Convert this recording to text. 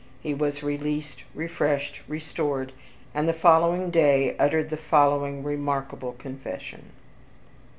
He was released, refreshed, restored, and the following day uttered the following remarkable confession.